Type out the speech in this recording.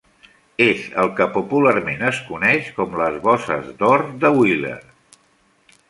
És el que popularment es coneix com les "bosses d'or de Wheeler".